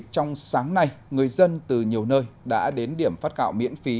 trong sáng nay người dân từ nhiều nơi đã đến điểm phát gạo miễn phí